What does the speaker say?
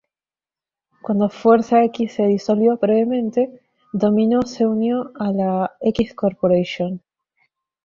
Cuando Fuerza-X se disolvió brevemente, Dominó se unió a la X-Corporation.